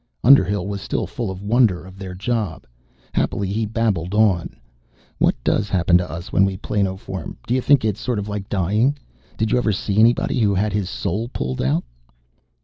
Underhill was still full of the wonder of their job. Happily he babbled on, "What does happen to us when we planoform? Do you think it's sort of like dying? Did you ever see anybody who had his soul pulled out?"